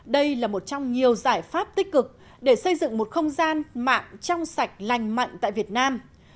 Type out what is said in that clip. đây là một trong nhiều giải pháp tích cực để xây dựng một không gian mạng trong sạch lành mạnh tại việt nam